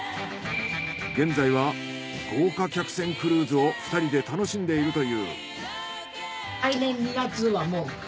現在は豪華客船クルーズを２人で楽しんでいるという。